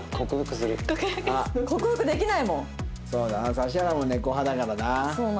指原も猫派だからな。